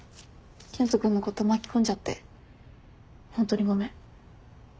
健人君のこと巻き込んじゃってホントにごめん。